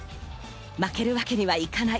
負けるわけにはいかない。